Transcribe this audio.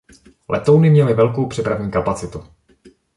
Letouny měly velkou přepravní kapacitu.